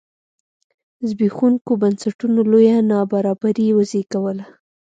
زبېښوونکو بنسټونو لویه نابرابري وزېږوله.